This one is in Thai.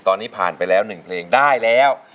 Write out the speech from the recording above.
ตอนนี้ผ่านไปแล้ว๑เพลงได้แล้ว